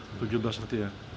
untuk juta setia